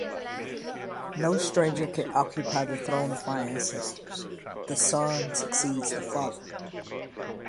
No stranger can occupy the throne of my ancestors: the son succeeds the father.